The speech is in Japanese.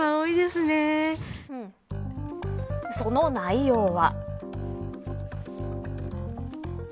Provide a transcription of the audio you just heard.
その内容は。